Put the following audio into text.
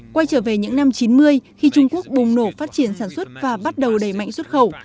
quay trở về những năm chín mươi khi trung quốc bùng nổ phát triển sản xuất và bắt đầu đầy mạnh xuất khẩu